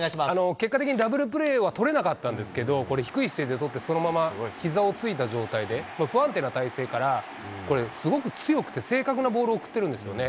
結果的にダブルプレーは取れなかったんですけど、これ、低い姿勢で捕って、そのままひざをついた状態で、不安定な体勢からこれ、すごく強くて正確なボールを送ってるんですよね。